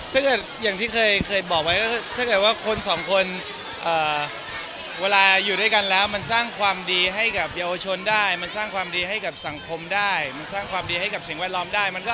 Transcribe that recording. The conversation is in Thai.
แบบที่เคยบอกว่าการสร้างความดีให้ยาวช่วงสร้างความดีให้แผนศพสิ่งแวดล้อม